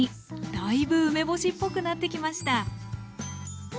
だいぶ梅干しっぽくなってきました